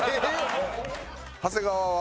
長谷川は？